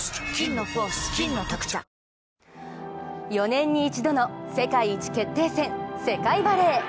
４年に一度の世界一決定戦、世界バレー。